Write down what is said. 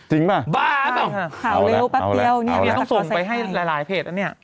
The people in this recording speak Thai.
จริงป่ะบ้าป่ะข่าวเร็วปั๊บเดียวเนี่ยต้องส่งไปให้หลายหลายเพจแล้วเนี่ย